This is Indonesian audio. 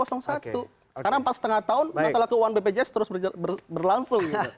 sekarang empat lima tahun masalah keuangan bpjs terus berlangsung